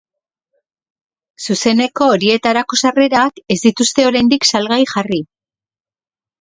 Zuzeneko horietarako sarrerak ez dituzte oraindik salgai jarri.